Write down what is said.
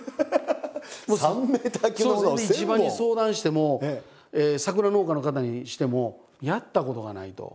それで市場に相談しても桜農家にしても「やったことがない」と。